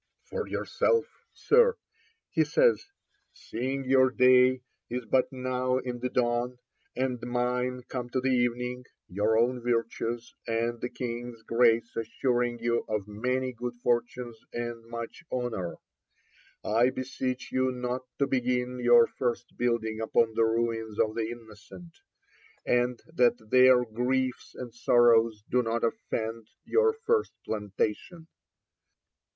'For yourself, Sir,' he says, 'seeing your day is but now in the dawn, and mine come to the evening, your own virtues and the King's grace assuring you of many good fortunes and much honour, I beseech you not to begin your first building upon the ruins of the innocent; and that their griefs and sorrows do not attend your first plantation.'